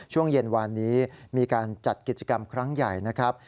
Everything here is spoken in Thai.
ช่วงเย็นวานนี้มีการจัดกิจกรรมครั้งใหญ่นะครับ